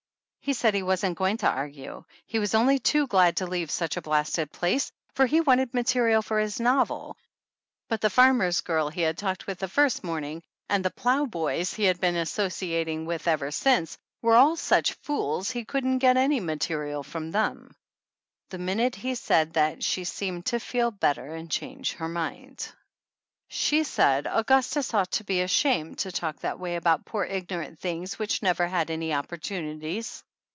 He said he wasn't going to argue, he was only 86 THE ANNALS OF ANN too glad to leave such a blasted place, for he wanted material for his novel, but the farmer's girl he had talked with the first morning, and the plow boys he had been associating with ever since were all such fools he couldn't get any material from them. The minute he said that she seemed to feel better and change her mind. She said Augustus ought to be ashamed to talk that way about poor ignorant things which never had any op portunities